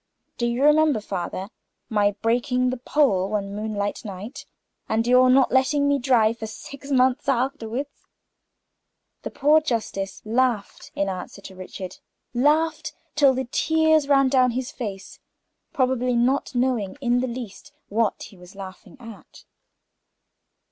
Do you remember, father, my breaking the pole, one moonlight night, and your not letting me drive for six months afterwards?" The poor justice laughed in answer to Richard, laughed till the tears ran down his face, probably not knowing in the least what he was laughing at.